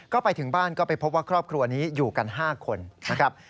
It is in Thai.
ก็ไปถึงบ้านก็ไปพบว่าครอบครัวนี้อยู่กัน๕คนนะครับ